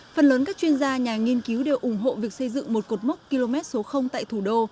phần lớn các chuyên gia nhà nghiên cứu đều ủng hộ việc xây dựng một cột mốc km số tại thủ đô